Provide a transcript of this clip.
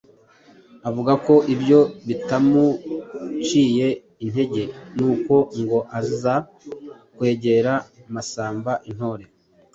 Avuga ko ibyo bitamuciye intege, nuko ngo aza kwegera Massamba Intore,